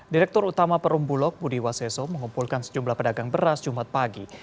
direktur utama perumbulok budi waseso mengumpulkan sejumlah pedagang beras jumat pagi